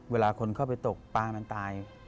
เวลาคนเข้าไปตกปลามันตาย